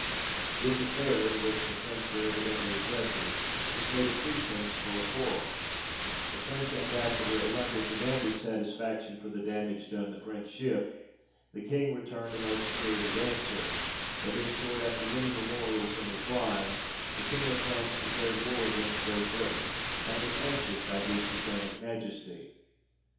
This affair, in which the French were evidently aggressors, was made a pretence for a quarrel ; the French Ambassador at London demanded satisfaction for the damage done the French ship ; the King returned a most spirited answer : and in short, after many memorials and replies, the King of France declared war against Great Britain, and was answered by his Britannic Majesty.